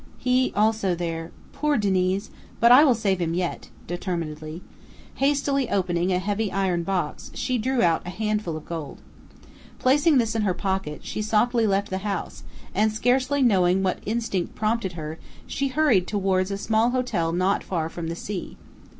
"He also there. Poor Diniz! But I will save him yet," determinedly. Hastily opening a heavy iron box, she drew out a handful of gold. Placing this in her pocket, she softly left the house, and scarcely knowing what instinct prompted her, she hurried towards a small hotel not far from the sea.